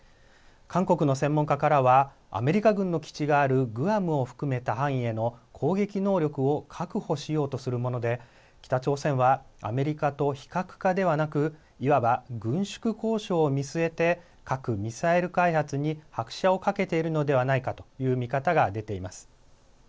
韓国の専門家からはアメリカ軍の基地があるグアムを含めた範囲への攻撃能力を確保しようとするもので北朝鮮はアメリカと非核化ではなく、いわば軍縮交渉を見据えて核・ミサイル開発に拍車をかけているのではないかという見方が出ています。